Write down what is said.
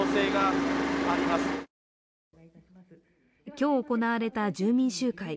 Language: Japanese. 今日行われた住民集会。